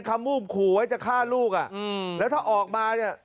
คำมูบขู่ไว้จะฆ่าลูกอ่ะแล้วถ้าออกมา